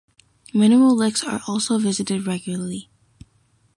Mineral licks are also visited regularly.